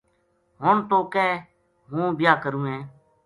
ہن توہ کہے ہوں بیاہ کروں ہے "